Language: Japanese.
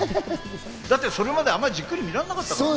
だってそれまであまりじっくり見られなかったもん。